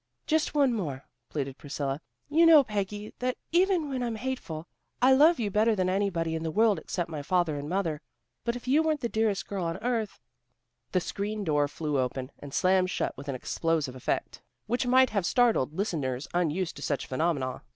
"Just one more," pleaded Priscilla. "You know, Peggy, that even when I'm hateful, I love you better than anybody in the world except my father and mother. But if you weren't the dearest girl on earth " The screen door flew open, and slammed shut with an explosive effect which might have startled listeners unused to such phenomena.